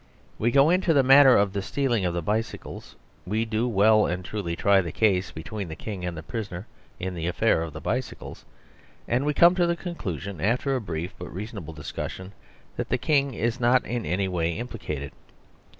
We go into the matter of the stealing of the bicycles. We do well and truly try the case between the King and the prisoner in the affair of the bicycles. And we come to the conclusion, after a brief but reasonable discussion, that the King is not in any way implicated.